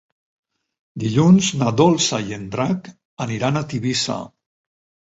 Dilluns na Dolça i en Drac aniran a Tivissa.